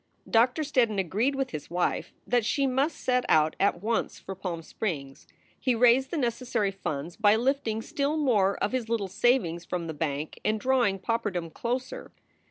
Doctor Steddon agreed with his wife that she must set out at once for Palm Springs. He raised the necessary funds by lifting still more of his little savings from the bank and drawing pauperdom closer.